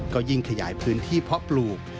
ก็ยิ่งขยายพื้นที่เพาะปลูก